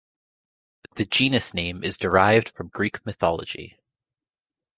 The genus name is derived from Greek mythology.